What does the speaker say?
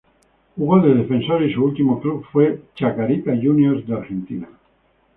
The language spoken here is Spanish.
Jugó de defensor y su último club fue Chacarita Juniors de Argentina.